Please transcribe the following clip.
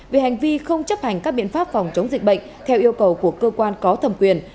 về hành vi không chấp hành các biện pháp phòng chống dịch bệnh theo yêu cầu của cơ quan có thẩm quyền